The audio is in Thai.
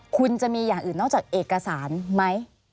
คุณจะมีอย่างอื่นนอกจากเอกสารไหม